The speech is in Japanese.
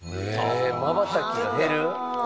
まばたきが減る。